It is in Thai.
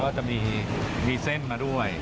ก็จะมีเส้นมาด้วย